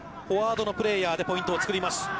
フォワードのプレーヤーでポイントをつくります。